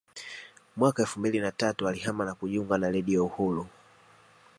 Mwaka elfu mbili na tatu alihama na kujiunga na Redio Uhuru